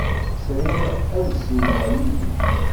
Sriɣ ad ssiwleɣ yid-k.